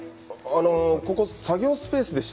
あのここ作業スペースでして。